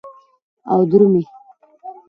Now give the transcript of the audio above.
او درومې